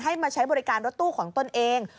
มาใช้บริการรถตู้ของตนเอง